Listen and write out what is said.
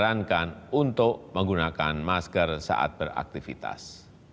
tetap menyarankan untuk menggunakan masker saat beraktivitas